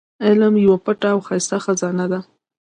علم يوه پټه او ښايسته خزانه ده.